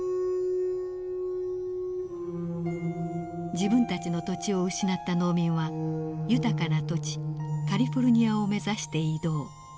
自分たちの土地を失った農民は豊かな土地カリフォルニアを目指して移動。